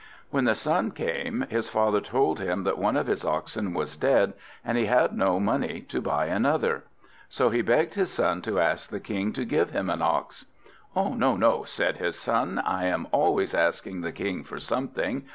When the son came, his father told him that one of his oxen was dead, and he had no money to buy another. So he begged his son to ask the King to give him an ox. "No, no," said his son, "I am always asking the King for something.